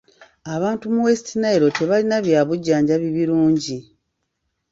Abantu mu West Nile tebalina bya bujjanjabi birungi.